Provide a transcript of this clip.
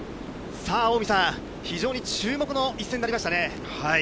さあ、近江さん、非常に注目の一戦になりましたね。